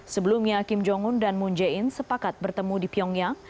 sebelumnya kim jong un dan moon jae in sepakat bertemu di pyongyang